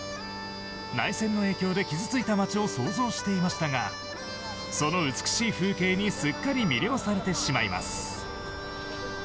内戦の影響で傷ついた街を想像していましたがその美しい風景にすっかり魅了されてしまいます。